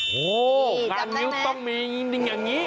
โอ้โหงานนิ้วต้องมีนิ่งอย่างนี้